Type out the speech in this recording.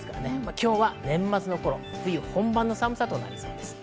今日は冬本番の寒さとなりそうです。